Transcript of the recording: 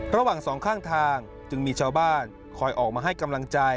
ระหว่างสองข้างทางจึงมีชาวบ้านคอยออกมาให้กำลังใจ